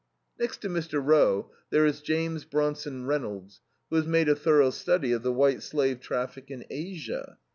Next to Mr. Roe, there is James Bronson Reynolds, who has made a thorough study of the white slave traffic in Asia.